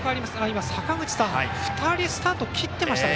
坂口さん、２人スタートを切っていましたね。